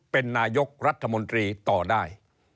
เป็นนายกรัฐมนตรีต่อได้